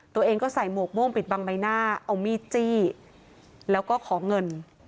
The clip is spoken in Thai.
ตัวเองก็ใส่หมวกม่วงปิดบังใบหน้าเอามีดจี้แล้วก็ขอเงิน